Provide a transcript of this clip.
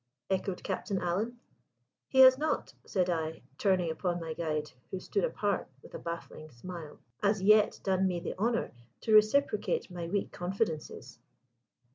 echoed Captain Alan. "He has not," said I, turning upon my guide, who stood apart with a baffling smile, "as yet done me the honour to reciprocate my weak confidences."